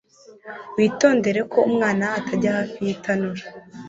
Witondere ko umwana atajya hafi yitanura